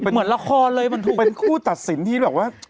เหมือนละครเลยมันถูกเป็นคู่ตัดสินที่แบบว่า